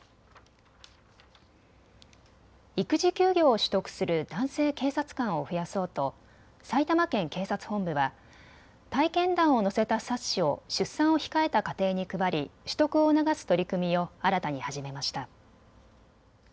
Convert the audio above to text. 育児休業を取得する男性警察官を増やそうと埼玉県警察本部は体験談を載せた冊子を出産を控えた家庭に配り、取得を促す取り組みを新たに始めました。